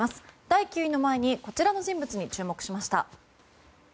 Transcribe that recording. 第９位の前にこちらの人物に注目しました。